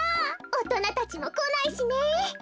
おとなたちもこないしね。